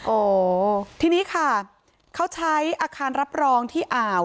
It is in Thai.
โอ้โหทีนี้ค่ะเขาใช้อาคารรับรองที่อ่าว